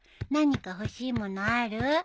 何か欲しいものある？